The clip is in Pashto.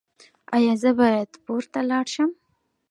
ایا زه باید پورته لاړ شم؟